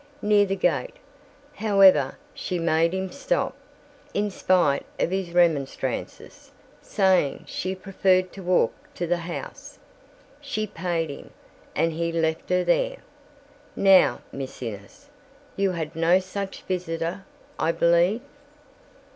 Near the gate, however, she made him stop, in spite of his remonstrances, saying she preferred to walk to the house. She paid him, and he left her there. Now, Miss Innes, you had no such visitor, I believe?"